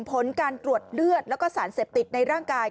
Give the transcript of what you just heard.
ผลการตรวจเลือดแล้วก็สารเสพติดในร่างกาย